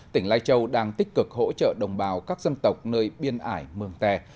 tỉnh lai châu đang tích cực hỗ trợ đồng bào các dân tộc nơi biên ải mường tè